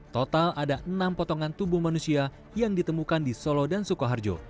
total ada enam potongan tubuh manusia yang ditemukan di solo dan sukoharjo